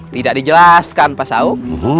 tidak dijelaskan pak saung